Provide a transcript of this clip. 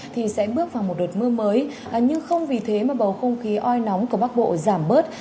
thì sẽ bước vào một đợt mưa mới nhưng không vì thế mà bầu không khí oi nóng của bắc bộ giảm bớt